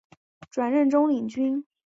转任中领军。